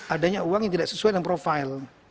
adanya uang yang tidak sesuai dengan profil